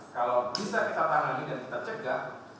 kalau bisa kita tangani dan kita cegah